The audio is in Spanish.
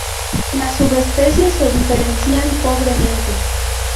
Las subespecies se diferencian pobremente.